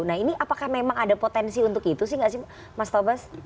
nah ini apakah memang ada potensi untuk itu sih nggak sih mas tobas